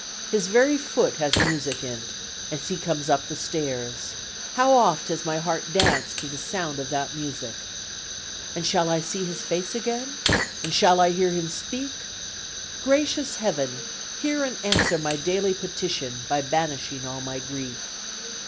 His very foot has music in 't, As he comes up the stairs. "How oft has my heart danced to the sound of that music! And shall I see his face again? And shall I hear him speak "Gracious Heaven! hear and answer my daily petition, by banishing all my grief.